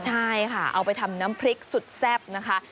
ใช่ค่ะเอาไปทำน้ำพริกสุดแซ่บนะคะ